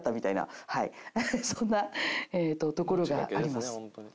そんなところがあります。